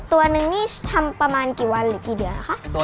ตัวนึงนี่ทำประมาณกี่วันหรือกี่เดือนคะ